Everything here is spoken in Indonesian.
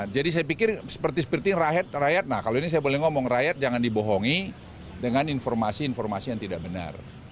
jadi saya pikir seperti seperti rakyat nah kalau ini saya boleh ngomong rakyat jangan dibohongi dengan informasi informasi yang tidak benar